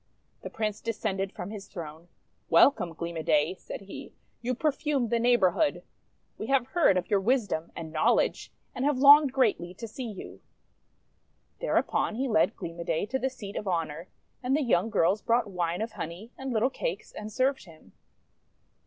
The Prince descended from his throne. " Wel come, Gleam o' Day," said he. 'You perfume the neighbourhood! We have heard of your wisdom and knowledge, and have longed greatly to see you." Thereupon he led Gleam o' Day to the seat of honour, and the young girls brought wine of honey and little cakes, and served him.